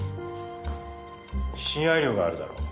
親愛寮があるだろう？